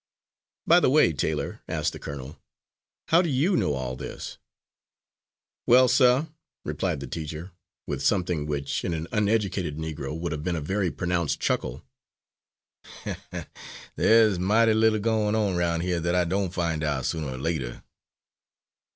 "By the way, Taylor," asked the colonel, "how do you know all this?" "Well, sir," replied the teacher, with something which, in an uneducated Negro would have been a very pronounced chuckle, "there's mighty little goin' on roun' here that I don't find out, sooner or later."